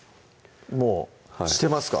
もうしてますか？